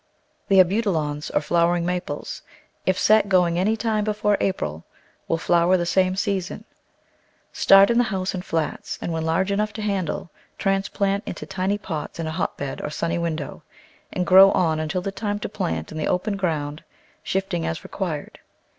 The Abutilons, or Flowering Maples, if set going any time before April will flower the same season. Digitized by Google 64 The Flower Garden [Chapter Start in the house in flats, and when large enough to handle transplant into tiny pots in a hotbed or sunny window and grow on until time to plant in the open ground, shifting as required.